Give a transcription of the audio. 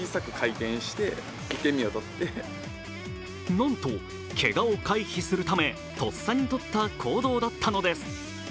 なんと、けがを回避するため、とっさにとった行動だったのです。